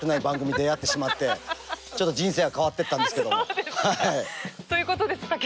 番組に出会ってしまってちょっと人生が変わってったんですけども。ということです